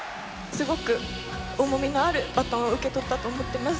すごく重みのあるバトンを受け取ったと思っています。